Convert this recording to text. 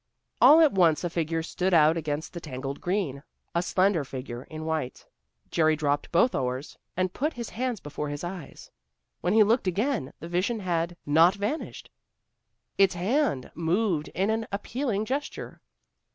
All at once a figure stood out against the tangled green, a slender figure in white. Jerry dropped both oars, and put his hands before his eyes. When he looked again the vision had not vanished. Its hand moved in an appealing gesture.